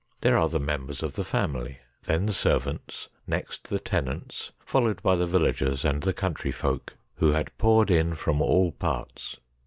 There are the members of the family, then the servants, next the tenants, followed by the villagers and the country folk, who had poured in from all parts.